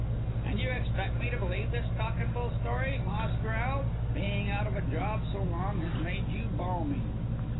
"'And you expect me to believe this cock and bull story,' Moss growled. 'Being out of a job so long has made you balmy.'